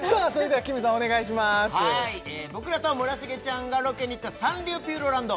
はい僕らと村重ちゃんがロケに行ったサンリオピューロランド